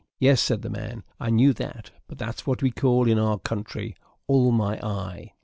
"Yes," said the man, "I knew that, but that's what we call in our country 'all my eye.'"